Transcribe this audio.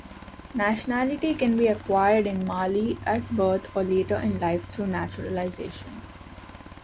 Nationality can be acquired in Mali at birth or later in life through naturalization.